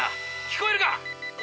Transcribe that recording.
聞こえるか！